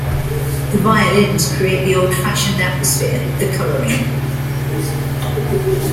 The violins create the old-fashioned atmosphere, the colouring.